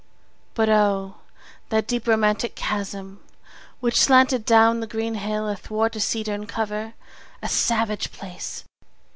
But O, that deep romantic chasm which slanted Down the green hill athwart a cedarn cover! A savage place!